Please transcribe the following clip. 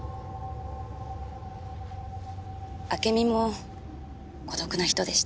あけみも孤独な人でした。